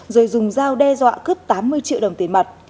rồi dùng dao đe dọa cướp tám mươi triệu đồng tiền mặt